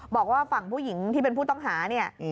บอกว่าฝั่งผู้หญิงที่เป็นผู้ต้องหาเนี่ย